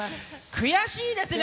悔しいですね。